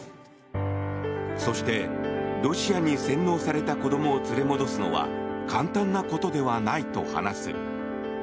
そして、ロシアに洗脳された子供を連れ戻すのは簡単なことではないと話す。